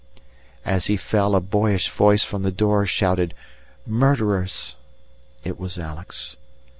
As he fell, a boyish voice from the door shouted "Murderers!" It was Alex.